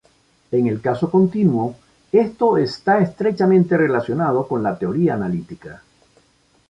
En el caso continuo, esto está estrechamente relacionado con la teoría analítica.